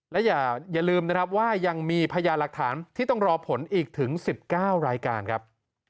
และอย่าลืมนะครับว่ายังมีพยานหลักฐานที่ต้องรอผลอีกถึง๑๙รายการครับ